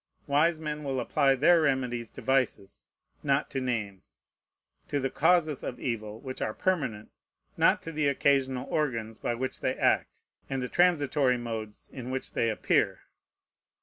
Wise men will apply their remedies to vices, not to names, to the causes of evil, which are permanent, not to the occasional organs by which they act, and the transitory modes in which they appear.